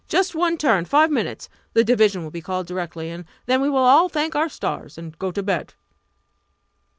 "Just one turn five minutes! The division will be called directly, and then we will all thank our stars and go to bed!"